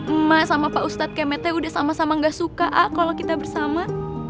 emak dan pak ustadz kemete sudah sama sama tidak suka ah kalau kita bersama